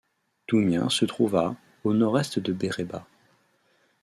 Doumien se trouve à au nord-est de Béréba.